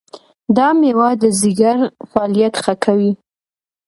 دا مېوه د ځیګر فعالیت ښه کوي.